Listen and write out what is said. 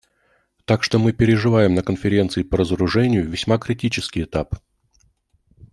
Так что мы переживаем на Конференции по разоружению весьма критический этап.